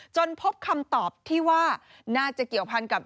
จนพบคำตอบที่ว่าน่าจะเกี่ยวพันกับ